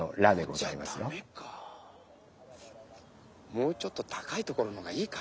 もうちょっと高いところの方がいいか。